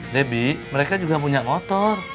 debbie mereka juga punya motor